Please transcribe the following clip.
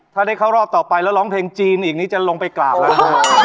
ถ้าได้เข้ารอบต่อไปแล้วร้องเพลงจีนอีกนี้จะลงไปกราบแล้วนะฮะ